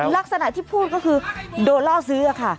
ลักษณะที่พูดก็คือโดนล่อซื้อค่ะ